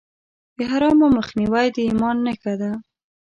د حرامو مخنیوی د ایمان نښه ده.